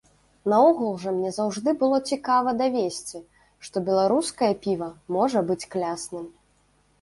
Наогул жа мне заўжды было цікава давесці, што беларускае піва можа быць класным!